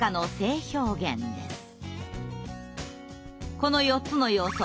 この４つの要素